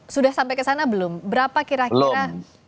sudah sampai ke sana belum berapa kira kira